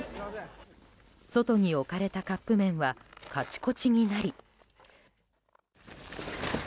外に置かれたカップ麺はカチコチになり。